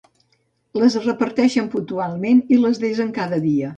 Les reparteixen puntualment i les desen cada dia.